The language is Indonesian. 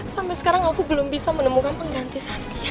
sampai sekarang aku belum bisa menemukan pengganti saski